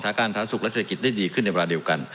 การสาธารณสุขและเศรษฐกิจได้ดีขึ้นในเวลาเดียวกัน